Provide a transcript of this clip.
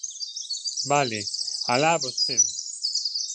Vale, ¡alá vostede!